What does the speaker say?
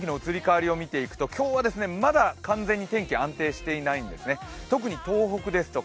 今日の天気の移り変わりを見ていくと、今日はまだ完全に天気は安定していないんですね。